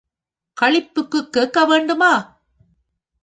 களிப்புக்குக் கேட்க வேண்டுமா?